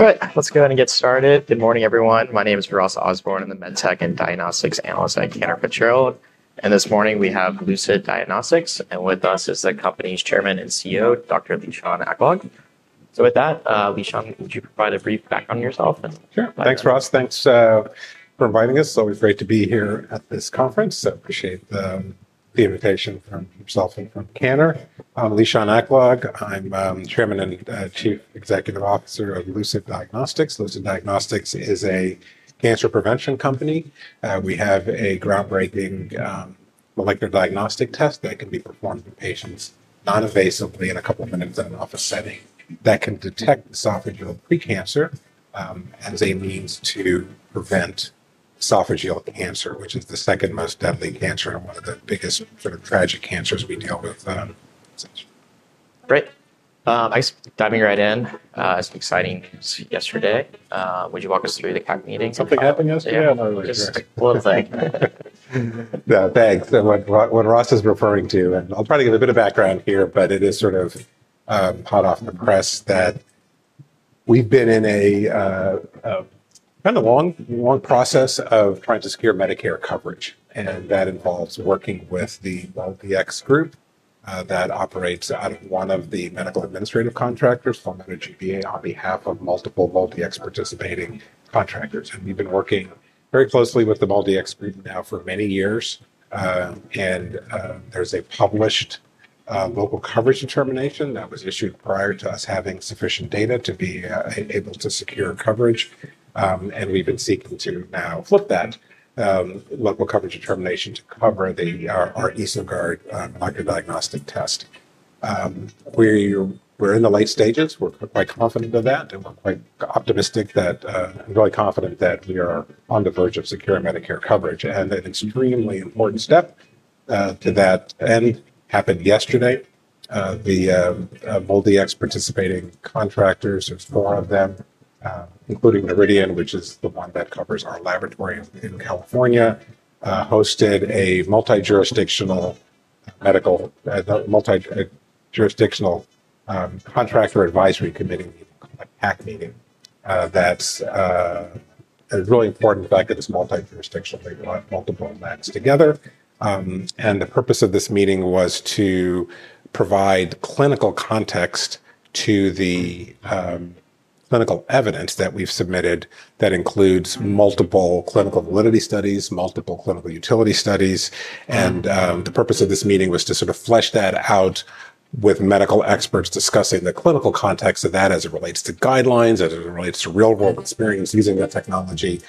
Alright, let's go ahead and get started. Good morning, everyone. My name is Ross Osborn. I'm the MedTech and Diagnostics Analyst at Cantor Fitzgerald. This morning we have Lucid Diagnostics, and with us is the company's Chairman and CEO, Dr. Lishan Aklog. With that, Lishan, would you provide a brief background of yourself? Sure. Thanks, Ross. Thanks for inviting us. It's always great to be here at this conference. I appreciate the invitation from yourself and from Cantor. I'm Dr. Lishan Aklog. I'm Chairman and Chief Executive Officer of Lucid Diagnostics. Lucid Diagnostics is a cancer prevention company. We have a groundbreaking molecular diagnostic test that can be performed in patients non-invasively in a couple of minutes in an office setting that can detect esophageal precancer as a means to prevent esophageal cancer, which is the second most deadly cancer and one of the biggest sort of tragic cancers we deal with. Great. I guess diving right in, some exciting news yesterday. Would you walk us through the meeting? Something happened yesterday? I'm not really sure. It looks like. No, thanks. What Ross is referring to, and I'll probably give a bit of background here, is that it is sort of hot off the press that we've been in a kind of long process of trying to secure Medicare coverage. That involves working with the MolDX group that operates out of one of the medical administrative contractors, Palmetto GBA, on behalf of multiple MolDX participating contractors. We've been working very closely with the MolDX group now for many years. There's a published local coverage determination that was issued prior to us having sufficient data to be able to secure coverage. We've been seeking to now flip that local coverage determination to cover our EsoGuard molecular diagnostic test. We're in the late stages. We're quite confident of that and we're quite optimistic, really confident that we are on the verge of securing Medicare coverage. An extremely important step to that end happened yesterday. The MolDX participating contractors, there's four of them, including Meridian, which is the one that covers our laboratory in California, hosted a multi-jurisdictional Contractor Advisory Committee meeting. That's a really important fact that it's multi-jurisdictional, they do have multiple labs together. The purpose of this meeting was to provide clinical context to the clinical evidence that we've submitted that includes multiple clinical validity studies, multiple clinical utility studies. The purpose of this meeting was to sort of flesh that out with medical experts discussing the clinical context of that as it relates to guidelines, as it relates to real-world experience using the technology,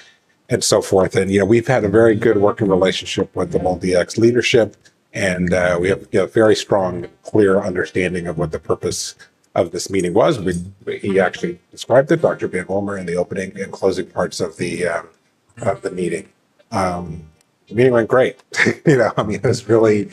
and so forth. We've had a very good working relationship with the MolDX leadership. We have a very strong, clear understanding of what the purpose of this meeting was. He actually described it. Dr. Bien-Willner, in the opening and closing parts of the meeting. The meeting went great. It was really,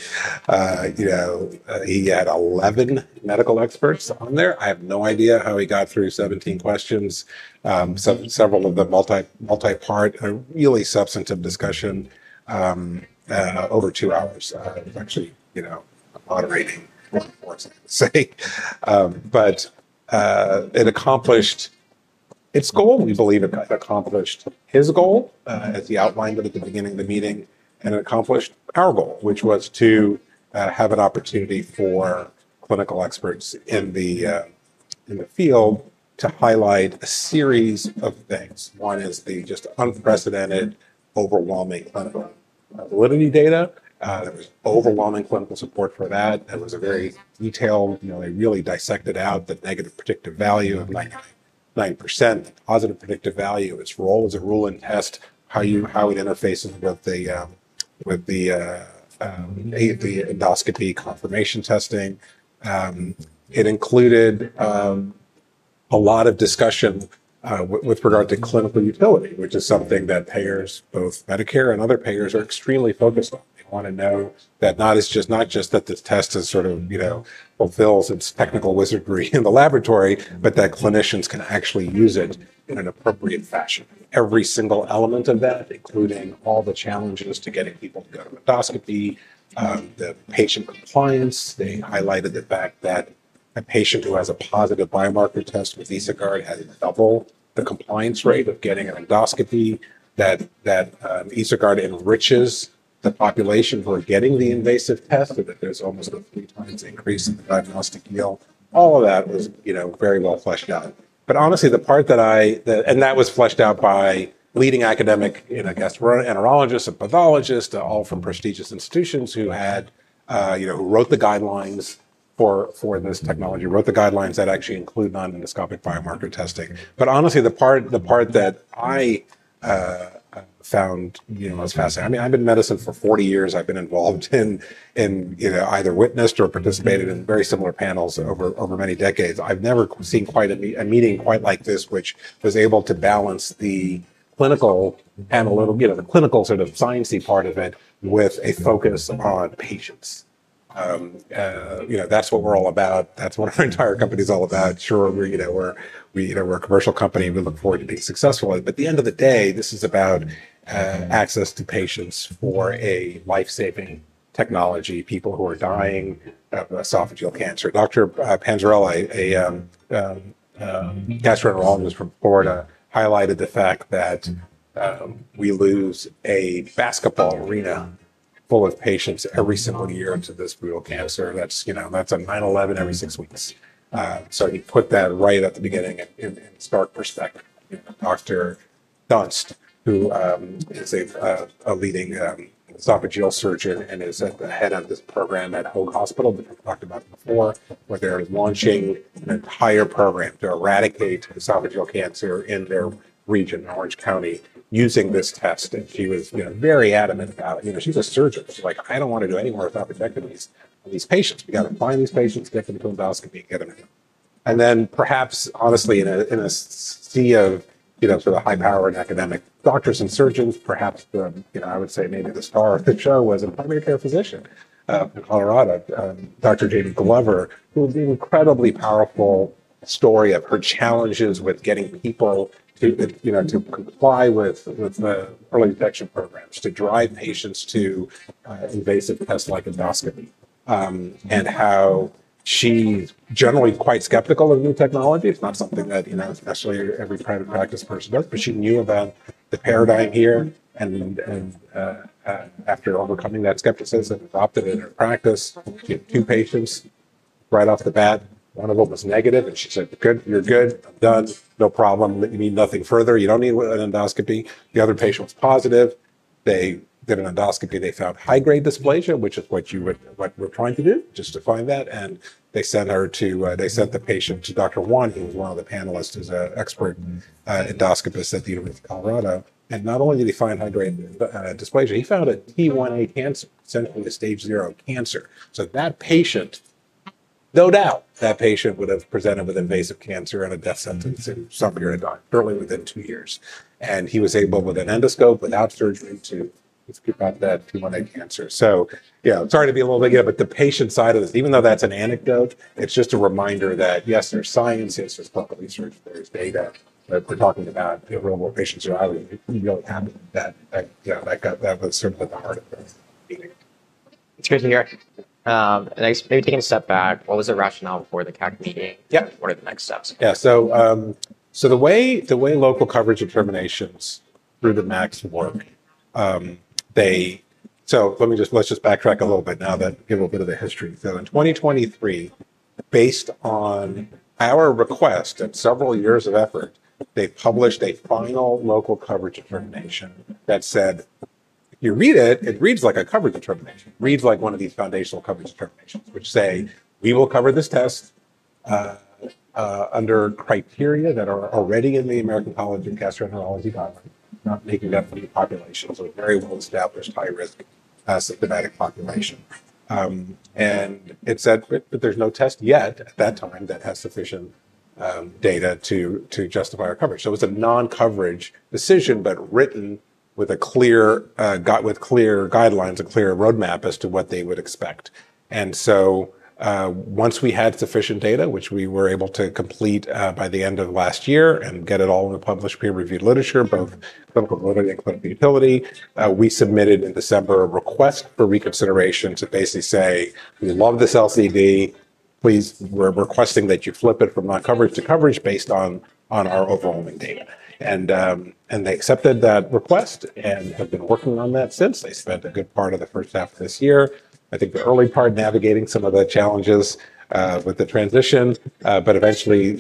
he had 11 medical experts on there. I have no idea how he got through 17 questions. Several of them were multi-part, a really substantive discussion, and over two hours, actually, moderating, working towards it. It accomplished its goal. We believe it accomplished his goal, as he outlined it at the beginning of the meeting, and it accomplished our goal, which was to have an opportunity for clinical experts in the field to highlight a series of things. One is the just unprecedented, overwhelming clinical validity data. There was overwhelming clinical support for that. It was a very detailed, you know, they really dissected out the negative predictive value of 99%, positive predictive value. Its role is a rule in test, how you, how it interfaces with the endoscopy confirmation testing. It included a lot of discussion with regard to clinical utility, which is something that payers, both Medicare and other payers, are extremely focused on. They want to know that not just that this test is sort of, you know, fulfills its technical wizardry in the laboratory, but that clinicians can actually use it in an appropriate fashion. Every single element of that, including all the challenges to getting people to go to endoscopy, the patient compliance. They highlighted the fact that a patient who has a positive biomarker test with EsoGuard has double the compliance rate of getting an endoscopy. That EsoGuard enriches the population who are getting the invasive test so that there's almost a three times increase in the diagnostic yield. All of that was, you know, very well fleshed out. Honestly, the part that I, and that was fleshed out by leading academic, you know, gastroenterologists and pathologists, all from prestigious institutions who had, you know, who wrote the guidelines for this technology, wrote the guidelines that actually include non-endoscopic biomarker testing. Honestly, the part, the part that I found, you know, most fascinating. I mean, I've been in medicine for 40 years. I've been involved in, in, you know, either witnessed or participated in very similar panels over many decades. I've never seen quite a meeting quite like this, which was able to balance the clinical panel, you know, the clinical sort of sciencey part of it with a focus on patients. You know, that's what we're all about. That's what our entire company is all about. Sure, you know, we're, you know, we're a commercial company. We look forward to being successful. At the end of the day, this is about access to patients for a lifesaving technology, people who are dying of esophageal cancer. Dr. Panzarella, a gastroenterologist from Florida, highlighted the fact that we lose a basketball arena full of patients every single year to this [fatal] cancer. That's, you know, that's a nine to 11 every six weeks. He put that right at the beginning and in stark respect. Dr. Dunst, who is a leading esophageal surgeon and is the head of this program at Hoag Hospital, we talked about before, where they're launching an entire program to eradicate esophageal cancer in their region in Orange County using this test. She was very adamant about, you know, she's a surgeon. She's like, I don't want to do any more ineffective activities on these patients. We got to find these patients, get them to endoscopy, get them to heal. Perhaps, honestly, in a sea of, you know, sort of high-powered academic doctors and surgeons, perhaps, you know, I would say maybe the star of the show was a primary care physician in Colorado, Dr. Jamie Glover, who did an incredibly powerful story of her challenges with getting people to, you know, to comply with the early detection programs, to drive patients to invasive tests like endoscopy, and how she's generally quite skeptical of new technology. It's not something that, you know, especially every private practice person does, but she knew about the paradigm here. After overcoming that skepticism, adopted it in her practice. She had two patients right off the bat. One of them was negative, and she said, "You're good. Done. No problem. You need nothing further. You don't need an endoscopy." The other patient was positive. They did an endoscopy. They found high-grade dysplasia, which is what you would, what we're trying to do, just to find that. They sent the patient to Dr. Juan. He was one of the panelists, who's an expert endoscopist at the University of Colorado. Not only did he find high-grade dysplasia, he found a T1a cancer, essentially a stage zero cancer. That patient, no doubt, that patient would have presented with invasive cancer and a death sentence in some period of time, early within two years. He was able, with an endoscope, without surgery, to get rid of that T1a cancer. Sorry to be a little bit here, but the patient side of this, even though that's an anecdote, it's just a reminder that, yes, there's science. This was public research. There's data. We're talking about, you know, more patients who are out of it. You know, that was sort of at the heart of this. It's good to hear. I guess maybe taking a step back, what was the rationale for the CAC meeting? Yeah. What are the next steps? Yeah, the way local coverage determinations through the MACs work, let me just backtrack a little bit now to give a little bit of the history. In 2023, based on our request and several years of effort, they published a final Local Coverage Determination that reads like a coverage determination, like one of these foundational coverage determinations, which say we will cover this test under criteria that are already in the American College of Gastroenterology Guidelines, not making up for the population. A very well-established, high-risk, symptomatic population. It said, but there's no test yet at that time that has sufficient data to justify our coverage. It was a non-coverage decision, but written with clear guidelines and a clear roadmap as to what they would expect. Once we had sufficient data, which we were able to complete by the end of last year and get it all in the published peer-reviewed literature, both clinical validity and clinical utility, we submitted in December a request for reconsideration to basically say, we love this LCD, please, we're requesting that you flip it from non-coverage to coverage based on our overwhelming data. They accepted that request and have been working on that since. They spent a good part of the first half of this year, I think the early part, navigating some of the challenges with the transition. Eventually, you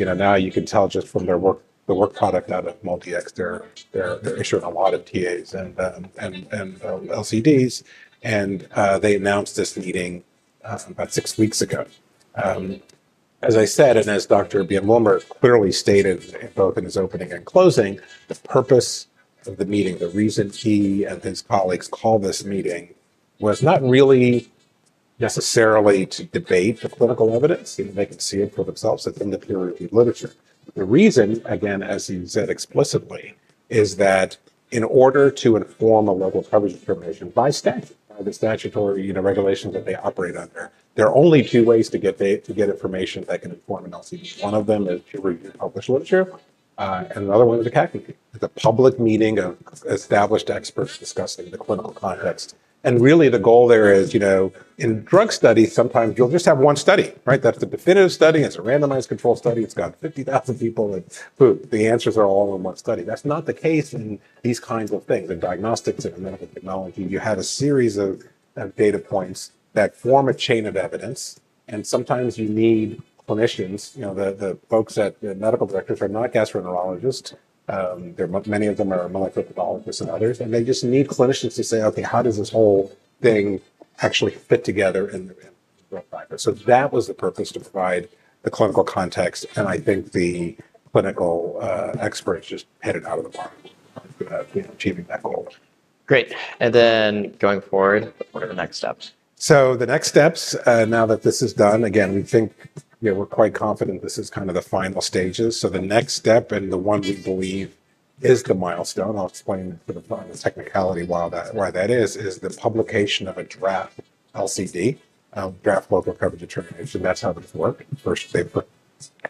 can tell just from their work, the work product out of MolDX, they're issuing a lot of TAs and LCDs. They announced this meeting about six weeks ago. As I said, and as Dr. Bien-Willner clearly stated both in his opening and closing, the purpose of the meeting, the reason he and his colleagues called this meeting was not really necessarily to debate the clinical evidence. They could see it for themselves within the peer-reviewed literature. The reason, again, as you said explicitly, is that in order to inform a Local Coverage Determination by statute, by the statutory regulations that they operate under, there are only two ways to get information that can inform an LCD. One of them is peer-reviewed published literature. Another one is a CAC meeting. It's a public meeting of established experts discussing the clinical context. The goal there is, you know, in drug studies, sometimes you'll just have one study, right? That's the definitive study. It's a randomized control study. It's got 50,000 people. Boom, the answers are all in one study. That's not the case in these kinds of things. In diagnostics and medical technology, you have a series of data points that form a chain of evidence. Sometimes you need clinicians, you know, the folks at the medical directors are not gastroenterologists. There are many of them who are molecular pathologists and others. They just need clinicians to say, okay, how does this whole thing actually fit together in the real practice? That was the purpose, to provide the clinical context. I think the clinical experts just headed out of the box to achieve that goal. Great. Going forward, what are the next steps? The next steps, now that this is done, again, we think we're quite confident this is kind of the final stages. The next step, and the one we believe is the milestone, I'll explain sort of the technicality why that is, is the publication of a draft LCD, a draft Local Coverage Determination. That's how it's worked. First, they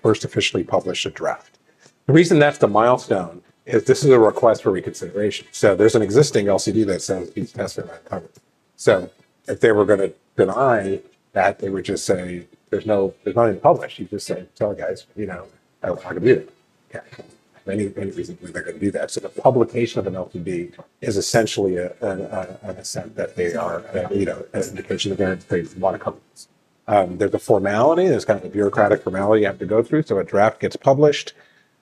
first officially publish a draft. The reason that's the milestone is this is a request for reconsideration. There's an existing LCD that says these tests are not covered. If they were going to deny that, they would just say there's not anything published. You just say, sorry guys, you know, I don't know how to do that. Many reasons they're going to do that. The publication of an LCD is essentially an assent that they are, you know, an indication again that they want to come to this. There's a formality. There's kind of a bureaucratic formality you have to go through. A draft gets published,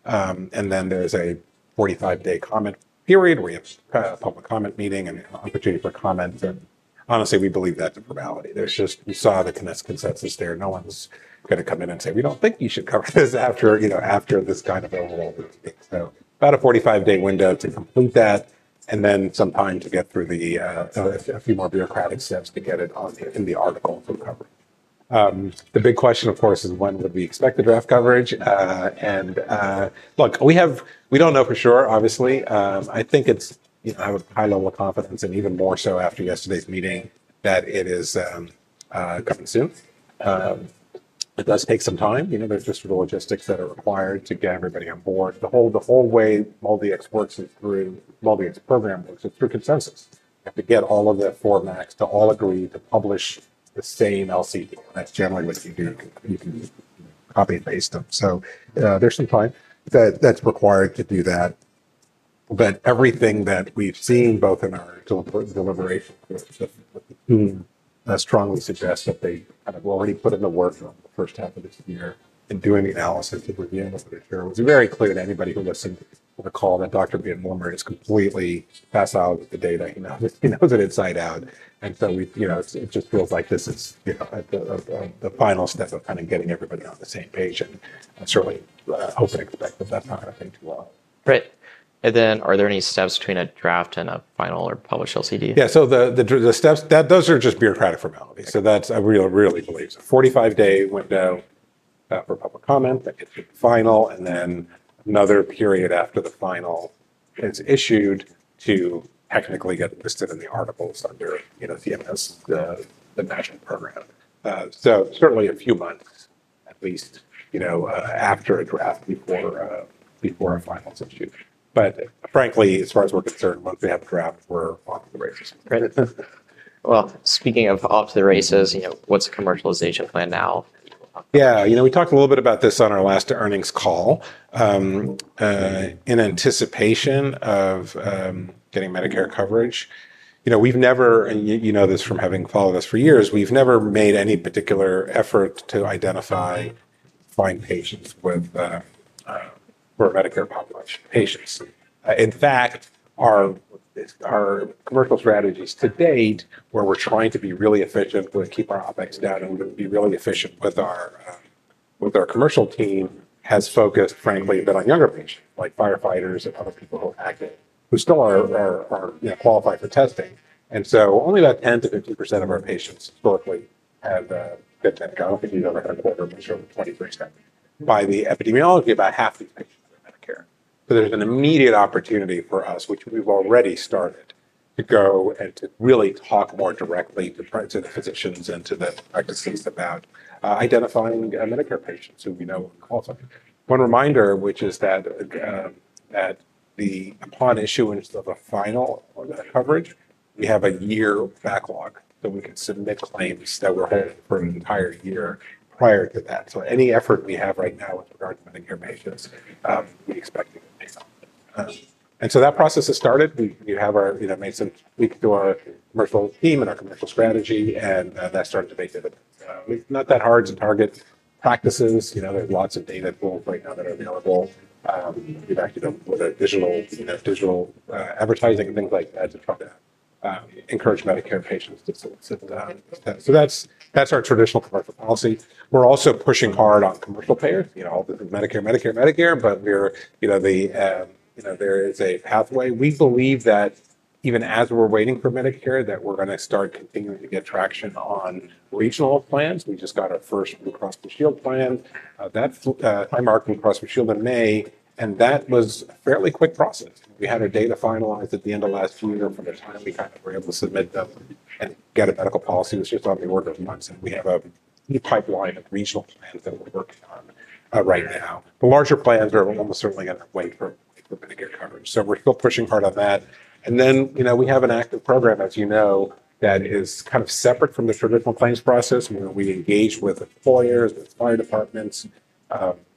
and then there's a 45-day comment period where you have a public comment meeting and an opportunity for comments. Honestly, we believe that's a formality. You saw the consensus there. No one's going to come in and say, we don't think you should cover this after, you know, after this kind of overall. About a 45-day window to complete that, and then some time to get through a few more bureaucratic steps to get it on in the article for coverage. The big question, of course, is when would we expect to draft coverage? Look, we have, we don't know for sure, obviously. I think it's, you know, I have a high level of confidence, and even more so after yesterday's meeting, that it is coming soon. It does take some time. There's just sort of the logistics that are required to get everybody on board. The whole way MolDX group works is through consensus. I have to get all of the formats to all agree to publish the same LCD. That's generally what you do. You can copy and paste them. There's some time that's required to do that. Everything that we've seen, both in our deliberation, strongly suggests that they kind of already put in the work the first half of this year in doing the analysis and reviewing this literature. It was very clear to anybody who listened to the call that Dr. Bien-Willner is completely facile with the data. He knows it inside out. It just feels like this is the final step of kind of getting everybody on the same page. I'm certainly hoping and expecting that kind of thing to work. Great. Are there any steps between a draft and a final or published LCD? Yeah, the steps are just bureaucratic formalities. I really believe it's a 45-day window for public comment that gets finalized, and then another period after the final is issued to technically get listed in the articles under CMS, the matching program. Certainly a few months, at least, after a draft before a final subscription. Frankly, as far as we're concerned, once we have a draft, we're off to the races. Great. Speaking of off to the races, you know, what's the commercialization plan now? Yeah, you know, we talked a little bit about this on our last earnings call. In anticipation of getting Medicare coverage, you know, we've never, and you know this from having followed us for years, we've never made any particular effort to identify patients for the Medicare population. In fact, our commercial strategies to date, where we're trying to be really efficient with keeping our OpEx down and be really efficient with our commercial team, has focused, frankly, a bit on younger patients, like firefighters and other people who still are, you know, qualified for testing. Only about 10%- 15% of our patients historically have a Medicare. [I think we have a quarter of a show of 23%]. By the epidemiology, about half of these patients are Medicare. There's an immediate opportunity for us, which we've already started, to go and to really talk more directly to the physicians and to the practices about identifying Medicare patients who, you know, call something. One reminder, which is that upon issuance of a final coverage, we have a year backlog. We could submit claims that we're holding for an entire year prior to that. Any effort we have right now with regard to Medicare patients, we expect to get based on. That process has started. We have made some tweaks to our commercial team and our commercial strategy, and that started to base it. It's not that hard to target practices. There are lots of data tools right now that are available. You're back to them with digital advertising and things like that to try to encourage Medicare patients to submit. That's our traditional commercial policy. We're also pushing hard on commercial payers. All the Medicare, Medicare, Medicare, but we're, you know, there is a pathway. We believe that even as we're waiting for Medicare, we're going to start continuing to get traction on regional plans. We just got our first Blue Cross Blue Shield plan. That's Highmark and Blue Cross Blue Shield in May, and that was a fairly quick process. We had our data finalized at the end of last year, and by the time we kind of were able to submit them and get a medical policy, which just happened to work in a month. We have a pipeline of regional plans that we're working on right now. The larger plans are almost certainly going to wait for Medicare coverage. We're still pushing hard on that. We have an active program, as you know, that is kind of separate from the traditional claims process. We engage with employers, the fire departments,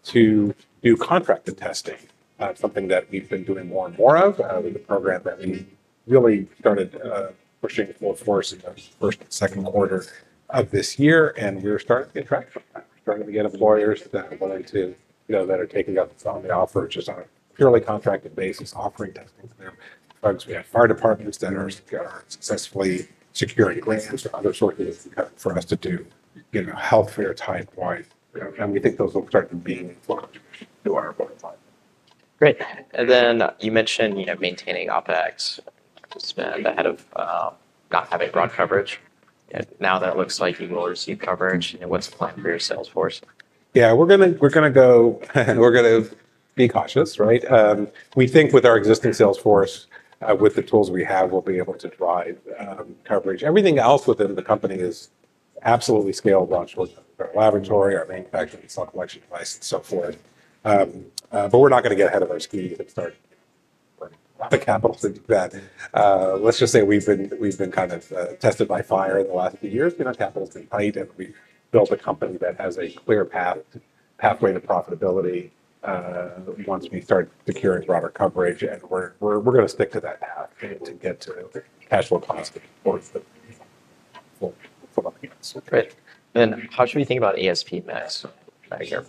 to do contracted testing. It's something that we've been doing more and more of with the program that we really started pushing for force in the first and second quarter of this year. We're starting to get traction, starting to get employers that are willing to, you know, that are taking up some of the offers just on a purely contracted basis, offering testing for their groups. We have fire departments that are successfully securing grants or other sources for us to do, you know, healthcare type-wise. We think those will start to be influenced through our bottom line. Great. You mentioned, you know, maintaining OpEx to spend ahead of not having broad coverage. Now that looks like you will receive coverage. You know, what's the plan for your sales force? Yeah, we're going to be cautious, right? We think with our existing sales force, with the tools we have, we'll be able to drive coverage. Everything else within the company is absolutely scaled onto our laboratory, our manufacturing, cell collection device, and so forth. We're not going to get ahead of our ski if it starts. Not the capital to do that. Let's just say we've been kind of tested by fire in the last few years. [We're not capital to hide it]. We built a company that has a clear path, pathway to profitability, once we start securing broader coverage. We're going to stick to that path to get to cashflow plus, of course, [the full, full of]. Great. How should we think about ASP [best]? The Medicare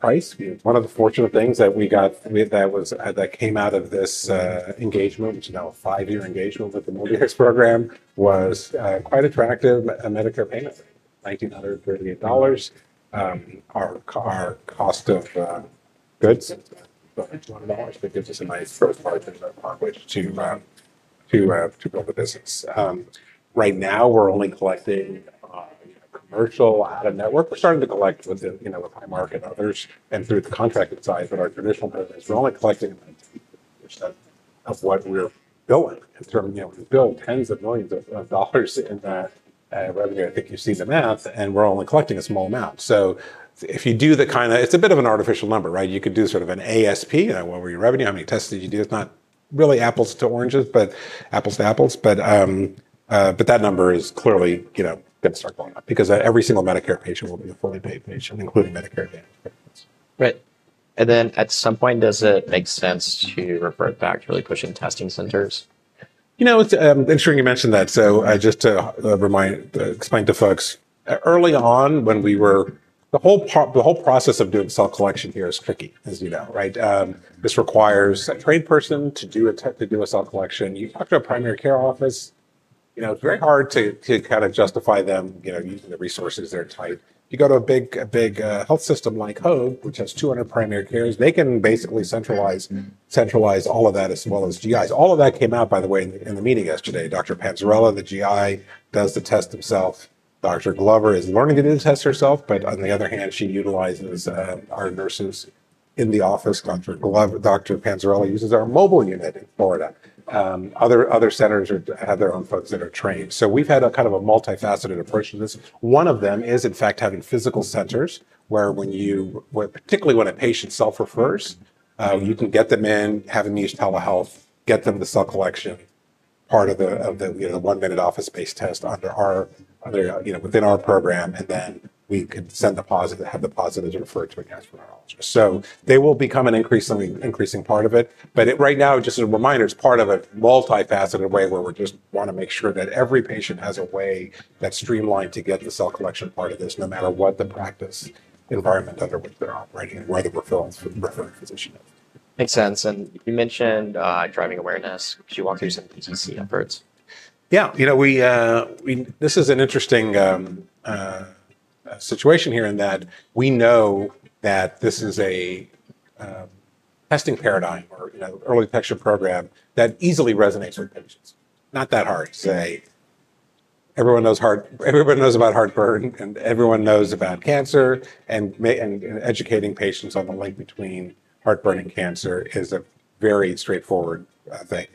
price, one of the fortunate things that we got that came out of this engagement, which is now a five-year engagement with the MolDX program, was quite attractive. A Medicare payment, $1,938. Our cost of goods, [$1,200], but gives us a nice margin to build the business. Right now we're only collecting commercial out of network. We're starting to collect with the, you know, with iMark and others, and through the contracted side, but our traditional business, we're only collecting about a few percent of what we're billing. Certainly, you know, we're billing tens of millions of dollars in the revenue. I think you've seen the math, and we're only collecting a small amount. If you do the kind of, it's a bit of an artificial number, right? You could do sort of an ASP, that what were your revenue? How many tests did you do? It's not really apples to oranges, but apples to apples. That number is clearly, you know, going to start going up because every single Medicare patient will be a fully paid patient, including Medicare Advantage. Right. At some point, does it make sense to revert back to really pushing testing centers? I'm sure you mentioned that. Just to explain to folks, early on when we were, the whole process of doing cell collection here is tricky, as you know, right? This requires a trained person to do a cell collection. You talk about primary care office. It's very hard to kind of justify them, you know, using the resources, they're tight. If you go to a big health system like Hoag, which has 200 primary cares, they can basically centralize all of that as well as GIs. All of that came out, by the way, in the meeting yesterday. Dr. Panzarella, the GI, does the test himself. Dr. Glover is learning to do the test herself, but on the other hand, she utilizes our nurses in the office. Dr. Panzarella uses our mobile unit in Florida. Other centers have their own folks that are trained. We've had a kind of a multifaceted approach to this. One of them is, in fact, having physical centers where, particularly when a patient self-refers, you can get them in, have them use telehealth, get them the cell collection part of the one-minute office space test under our, you know, within our program. We can send the positive, have the positives referred to a gastroenterologist. They will become an increasing part of it. Right now, just as a reminder, it's part of a multifaceted way where we just want to make sure that every patient has a way that's streamlined to get the cell collection part of this, no matter what the practice environment under which they're operating and where the referring physician is. Makes sense. You mentioned driving awareness. Could you walk through some PTC efforts? Yeah, you know, this is an interesting situation here in that we know that this is a testing paradigm or, you know, early detection program that easily resonates with patients. Not that hard to say. Everyone knows about heartburn, and everyone knows about cancer. Educating patients on the link between heartburn and cancer is a very straightforward thing,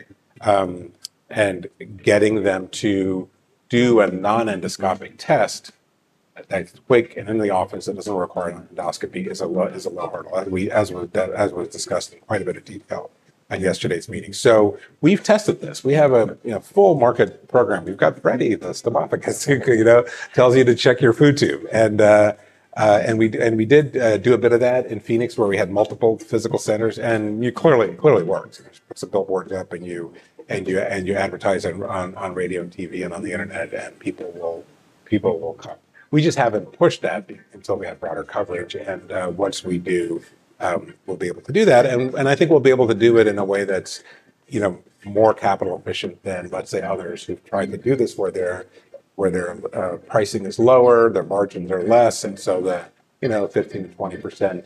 and getting them to do a non-endoscopic test that's quick and in the office that doesn't require an endoscopy is a low hurdle, as was discussed in quite a bit of detail at yesterday's meeting. We've tested this. We have a full market program. We've got Freddie, the [stomachic], you know, tells you to check your food tube. We did do a bit of that in Phoenix where we had multiple physical centers, and it clearly worked. There's a billboard jumping you, and you advertise on radio and TV and on the Internet, and people will come. We just haven't pushed that until we have broader coverage. Once we do, we'll be able to do that, and I think we'll be able to do it in a way that's more capital efficient than, let's say, others who've tried to do this where their pricing is lower, their margins are less. The 15%-2 0%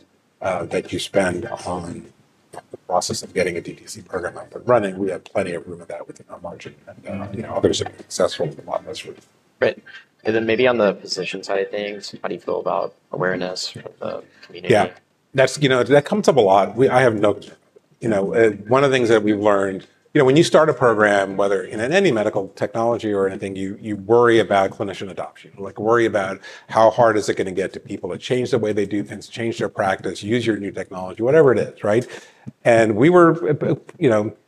that you spend on the process of getting a DTC program up and running, we have plenty of room with that within our margin. Others have been successful with a lot less room. Right. Maybe on the physician side of things, how do you feel about awareness from the community? Yeah, that comes up a lot. One of the things that we've learned when you start a program, whether in any medical technology or anything, you worry about clinician adoption. You worry about how hard is it going to get people to change the way they do things, change their practice, use your new technology, whatever it is, right?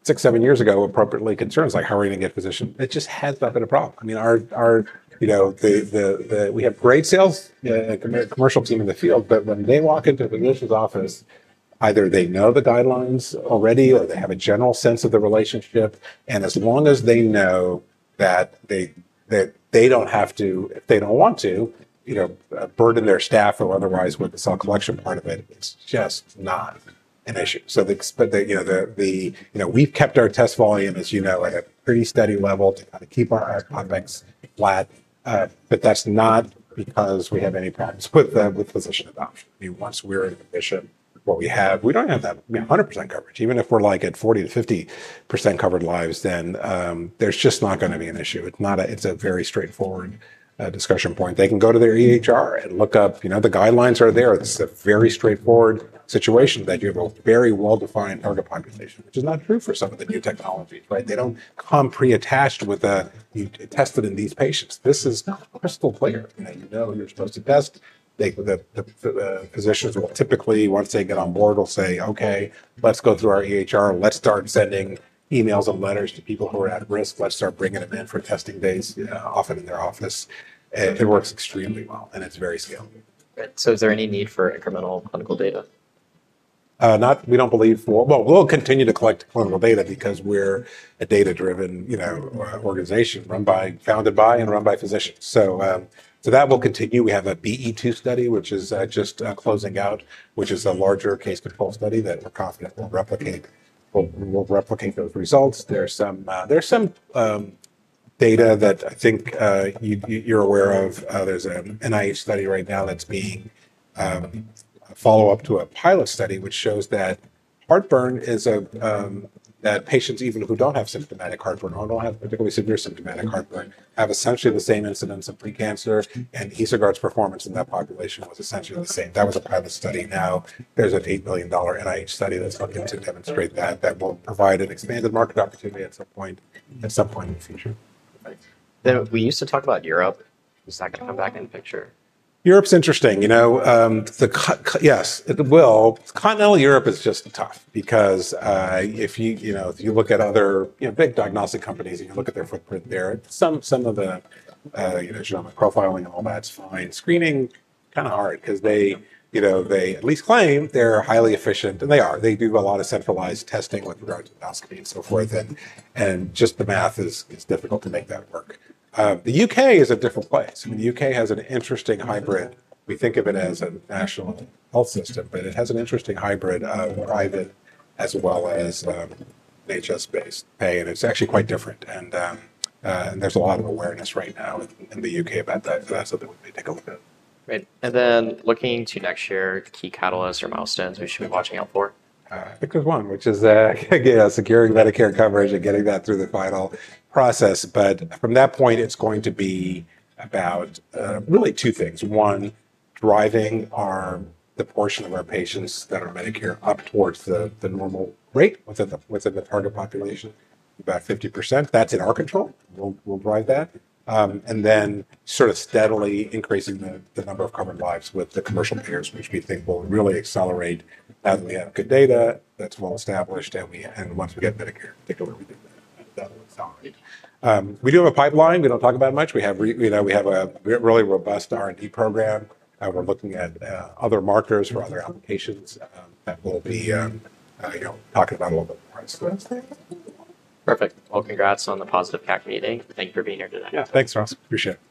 Six, seven years ago, we were appropriately concerned, like, how are we going to get physicians? It just has not been a problem. We have great sales, a commercial team in the field, when they walk into a physician's office, either they know the guidelines already or they have a general sense of the relationship. As long as they know that they don't have to, they don't want to burden their staff or otherwise with the cell collection part of it, it's just not an issue. We've kept our test volume, as you know, at a pretty steady level to kind of keep our OpEx flat. That's not because we have any problems with physician adoption. Once we're in, what we have, we don't have that 100% coverage. Even if we're at 40%- 50% covered lives, there's just not going to be an issue. It's a very straightforward discussion point. They can go to their EHR and look up, the guidelines are there. This is a very straightforward situation that you have a very well-defined target population, which is not true for some of the new technologies, right? They don't come pre-attached with a, you test it in these patients. This is a hospital player. You know who you're supposed to test. The physicians will typically, once they get on board, say, okay, let's go through our EHR. Let's start sending emails and letters to people who are at risk. Let's start bringing them in for testing days, often in their office. It works extremely well and it's very scalable. Is there any need for incremental clinical data? We don't believe for, we'll continue to collect clinical data because we're a data-driven organization founded by and run by physicians. That will continue. We have a BE2 study, which is just closing out, which is a larger case control study that we're confident will replicate those results. There's some data that I think you're aware of. There's an NIH study right now that's being a follow-up to a pilot study, which shows that heartburn is a, that patients, even if we don't have symptomatic heartburn or don't have particularly severe symptomatic heartburn, have essentially the same incidence of precancer. And EsoGuard's performance in that population was essentially the same. That was a pilot study. Now there's an $8 billion NIH study that's looking to demonstrate that, that will provide an expanded market opportunity at some point in the future. Right. We used to talk about Europe. Does that come back in the picture? Europe's interesting, you know, yes, it will. Continental Europe is just tough because, if you look at other big diagnostic companies and you look at their footprint there, some of the genomic profiling and all that's fine. Screening is kind of hard because they at least claim they're highly efficient and they are. They do a lot of centralized testing with regard to endoscopy and so forth. The math is difficult to make that work. The U.K. is a different place. I mean, the U.K. has an interesting hybrid. We think of it as a national health system, but it has an interesting hybrid of private as well as NHS-based pay. It's actually quite different. There's a lot of awareness right now in the U.K. about that. That's something we may take a look at. Right. Looking to next year, key catalysts or milestones we should be watching out for? I think there's one, which is, again, securing Medicare coverage and getting that through the final process. From that point, it's going to be about really two things. One, driving our, the portion of our patients that are Medicare up towards the normal rate within the target population, about 50%. That's in our control. We'll drive that, and then sort of steadily increasing the number of covered lives with the commercial payers, which we think will really accelerate that. We have good data that's well established, and once we get Medicare, particularly we do that. That [will assign. We do have a pipeline. We don't talk about it much. We have, you know, we have a really robust R&D program. We're looking at other marketers for other applications that we'll be, you know, talking about a little bit more as soon as they're here. Perfect. Congratulations on the positive CAC meeting. Thank you for being here today. Yeah, thanks, Ross. Appreciate it.